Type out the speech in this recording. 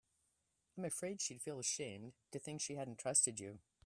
I'm afraid she'd feel ashamed to think she hadn't trusted you.